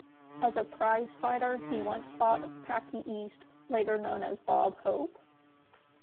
As a prizefighter he once fought "Packy East", later known as Bob Hope.